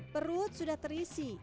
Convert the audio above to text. perut sudah terisi